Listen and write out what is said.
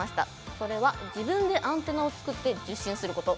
それは自分でアンテナを作って受信すること。